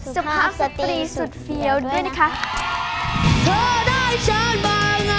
สุภาพสตรีสุดเฟี้ยวด้วยนะคะ